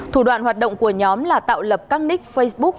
thủ đoạn hoạt động của nhóm là tạo lập các nick facebook